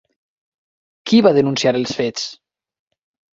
Qui va denunciar els fets?